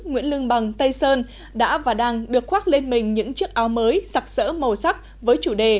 nguyễn lương bằng tây sơn đã và đang được khoác lên mình những chiếc áo mới sặc sỡ màu sắc với chủ đề